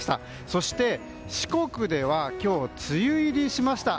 そして、四国では今日梅雨入りしました。